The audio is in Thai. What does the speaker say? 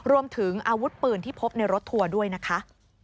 รวมถึงอาวุธปืนที่พบในรถทัวร์ด้วยนะคะ